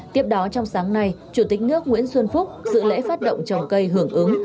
tiếp đó trong sáng nay chủ tịch nước nguyễn xuân phúc dự lễ phát động trồng cây hưởng ứng